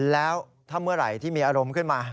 แล้วถ้าเมื่อไหร่ที่มีอารมณ์ขึ้นมา